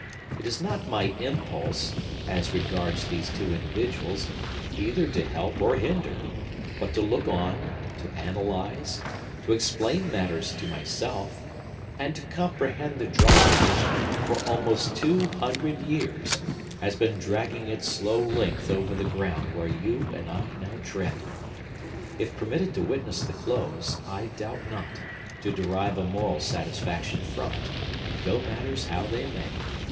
It is not my impulse, as regards these two individuals, either to help or hinder; but to look on, to analyze, to explain matters to myself, and to comprehend the drama which, for almost two hundred years, has been dragging its slow length over the ground where you and I now tread. If permitted to witness the close, I doubt not to derive a moral satisfaction from it, go matters how they may.